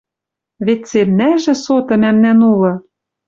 Вет цельнӓжӹ соты мӓмнӓн улы: